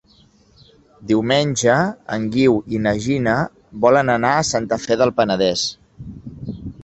Diumenge en Guiu i na Gina volen anar a Santa Fe del Penedès.